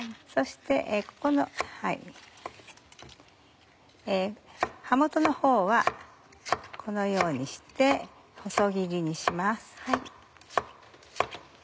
そしてここの葉元のほうはこのようにして細切りにします。